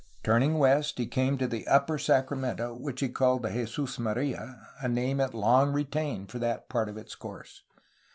Turning west he came to the upper Sacra mento, which he called the ''Jesus Maria/' a name it long retained for that part of its course.